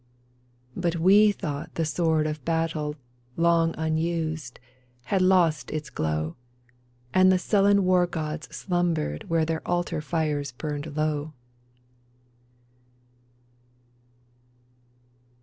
But we thought the sword of battle. Long unused, had lost its glow, And the sullen war gods slumbered Where their altar fires burned low